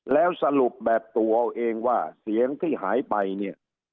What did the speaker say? แล้วสรุปแบบตัวเองว่าเสียงที่หายไปเนี่ย